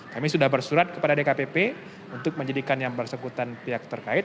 kami sudah bersurat kepada dkpp untuk menjadikan yang bersangkutan pihak terkait